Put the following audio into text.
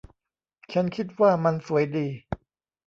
ฉันคิดว่ามันสวยดี